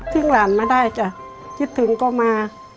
ทิ้งหลานไม่ได้คิดถึงก็มา